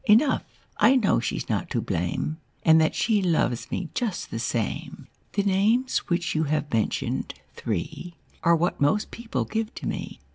Enough, I know she's not to blame. And that she loves me just the same." Copyrighted, 1897 I HE names which you have mentioned, three, what most people give to me."